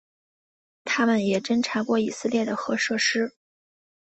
它们也侦察过以色列的核设施。